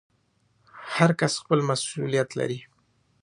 هر کس خپل مسوولیت لري